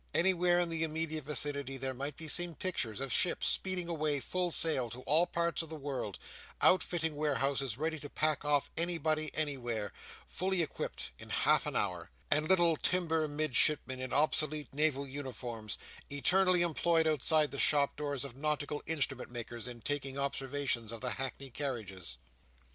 Anywhere in the immediate vicinity there might be seen pictures of ships speeding away full sail to all parts of the world; outfitting warehouses ready to pack off anybody anywhere, fully equipped in half an hour; and little timber midshipmen in obsolete naval uniforms, eternally employed outside the shop doors of nautical Instrument makers in taking observations of the hackney carriages.